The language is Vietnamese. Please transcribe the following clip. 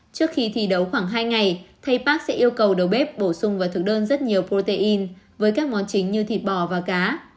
trước khi thi đấu khoảng hai ngày thầy park sẽ yêu cầu đầu bếp bổ sung vào thực đơn rất nhiều protein với các món chính như thịt bò và cá